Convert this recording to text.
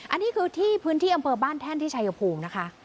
อันนี้คือที่พื้นที่อำเภอบ้านแท่นที่ชายภูมินะคะ